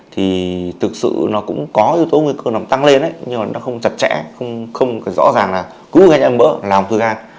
thì thực sự nó cũng có yếu tố nguy cơ nằm tăng lên nhưng mà nó không chặt chẽ không rõ ràng là cứu gan như mỡ là ung thư gan